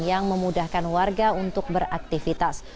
yang memudahkan warga untuk beraktivitas